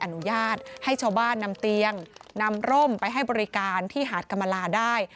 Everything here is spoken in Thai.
นำเตียงนำร่มไปให้บริการที่หาดกรรมลาได้